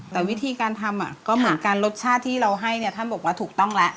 แต่วิธีการทำก็เหมือนกันรสชาติที่เราให้เนี่ยท่านบอกว่าถูกต้องแล้ว